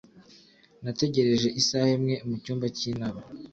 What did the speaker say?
Nategereje isaha imwe mu cyumba cy'inama.